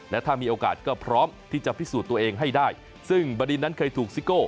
และถ้ามีโอกาสก็พร้อมที่จะพิสูจน์ตัวเองให้ได้ซึ่งบดินนั้นเคยถูกซิโก้